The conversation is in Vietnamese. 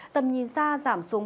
tầm nhìn xa giảm xuống